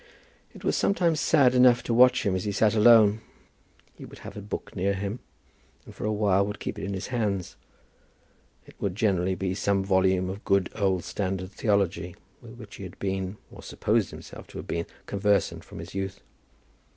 It was sometimes sad enough to watch him as he sat alone. He would have a book near him, and for a while would keep it in his hands. It would generally be some volume of good old standard theology with which he had been, or supposed himself to have been, conversant from his youth.